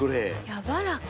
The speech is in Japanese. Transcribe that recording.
やわらか。